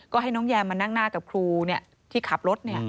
ก็ให้น้องแยมมานั่งหน้ากับครูที่ขับรถ